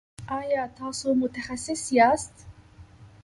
ایا تاسو متخصص یاست؟